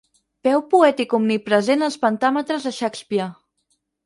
Peu poètic omnipresent als pentàmetres de Shakespeare.